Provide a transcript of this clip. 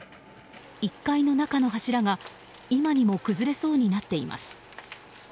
１階の中の柱が今にも崩れそうになっています。